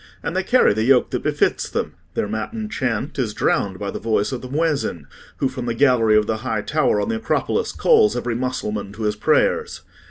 And they carry the yoke that befits them: their matin chant is drowned by the voice of the muezzin, who, from the gallery of the high tower on the Acropolis, calls every Mussulman to his prayers.